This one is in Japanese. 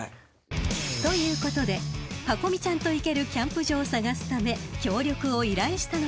［ということでパコ美ちゃんと行けるキャンプ場を探すため協力を依頼したのは］